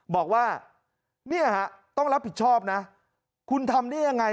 บอกว่าต้องรับผิดชอบคุณทำได้ยังไง